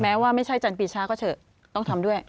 แม้ว่าไม่ใช่จันตรีช้าก็เฉินต้องทำด้วย